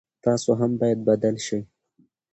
تاسو هم باید بدل شئ.